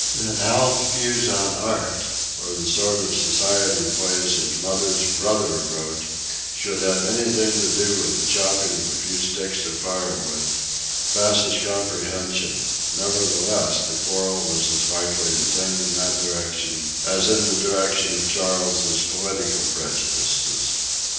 That Hal's views on art, or the sort of society plays his mother's brother wrote, should have anything to do with the chopping of a few sticks of firewood, passes comprehension; nevertheless the quarrel was as likely to tend in that direction as in the direction of Charles's political prejudices.